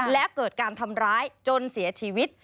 และเกิดการทำร้ายจนเสียชีวิต